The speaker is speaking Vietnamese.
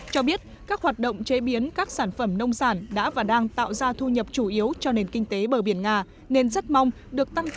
cho biết các hoạt động chế biến các sản phẩm nông sản đã và đang tạo ra thu nhập chủ yếu cho nền kinh tế bờ biển nga